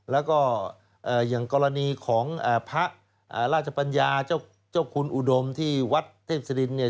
แล้วก็อย่างกรณีของพระราชปัญญาเจ้าคุณอุดมที่วัดเทพศดินเนี่ย